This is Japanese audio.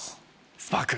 『スパーク』？